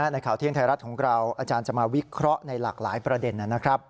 ในข่าวเที่ยงไทยรัฐของเราอาจารย์จะมาวิเคราะห์ในหลากหลายประเด็นนะครับ